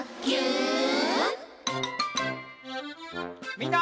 みんな。